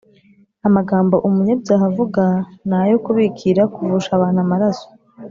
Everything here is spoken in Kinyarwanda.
amagambo umunyabyaha avuga ni ayo kubikīra kuvusha abantu amaraso,